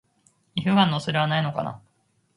皮膚ガンの恐れはないのかな？